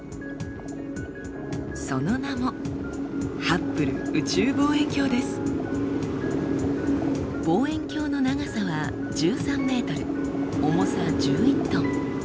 その名も望遠鏡の長さは１３ｍ重さ１１トン。